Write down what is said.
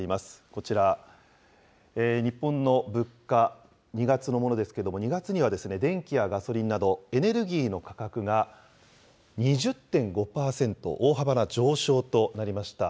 こちら、日本の物価、２月のものですけれども、２月には電気やガソリンなど、エネルギーの価格が２０．５％、大幅な上昇となりました。